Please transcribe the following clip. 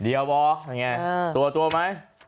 เดี๋ยวบ่ตัวไหม